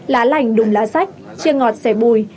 lá lành đùm lá sách chia ngọt sẻ bùi